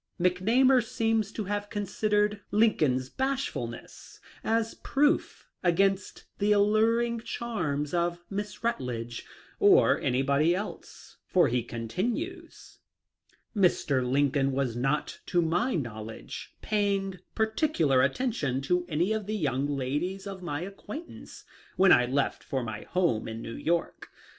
McNamar seems to have considered Lincoln's bashfulness as proof against the alluring charms of Miss Rutledge or anybody else, for he continues :" Mr. Lincoln was not to my knowledge paying particular attention to any of the young ladies of my acquaintance when I left for my home in New York.